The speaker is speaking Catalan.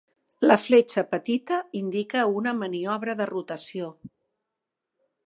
La fletxa petita indica una maniobra de rotació.